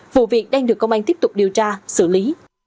vụ việc đang được công an tiếp tục điều tra xử lý